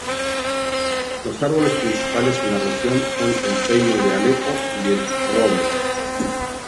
Los árboles principales en la región son el pino de Alepo y el roble.